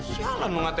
sekarang dia aja